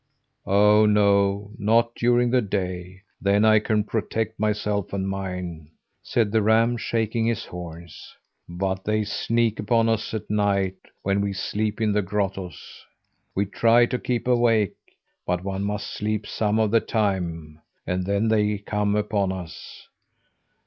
"Oh, no! not during the day; then I can protect myself and mine," said the ram, shaking his horns. "But they sneak upon us at night when we sleep in the grottoes. We try to keep awake, but one must sleep some of the time; and then they come upon us.